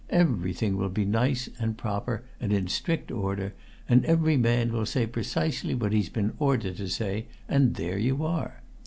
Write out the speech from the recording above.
Everything will be nice and proper and in strict order, and every man will say precisely what he's been ordered to say and there you are!